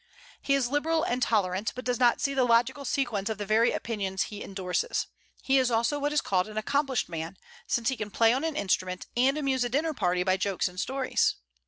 He is liberal and tolerant, but does not see the logical sequence of the very opinions he indorses. He is also what is called an accomplished man, since he can play on an instrument, and amuse a dinner party by jokes and stories.